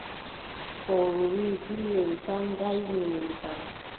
Fowru wii: dile tan ngaymi min kam!